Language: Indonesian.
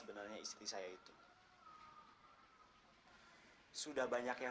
hari ini juga sayang sama mama